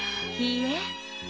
いいえ